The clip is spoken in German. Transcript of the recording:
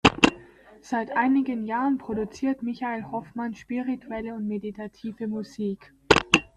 Seit einigen Jahren produziert Michael Hoffmann spirituelle und meditative Musik.